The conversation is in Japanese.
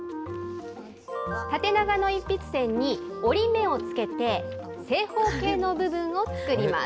縦長の一筆箋に折り目を付けて、正方形の部分を作ります。